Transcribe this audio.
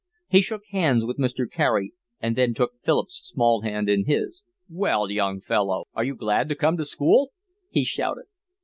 He shook hands with Mr. Carey, and then took Philip's small hand in his. "Well, young fellow, are you glad to come to school?" he shouted.